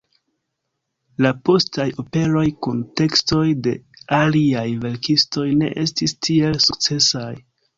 La postaj operoj kun tekstoj de aliaj verkistoj ne estis tiel sukcesaj.